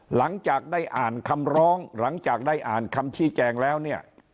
หลังจากได้อ่านคำร้องหลังจากได้อ่านคำชี้แจงแล้วเนี่ย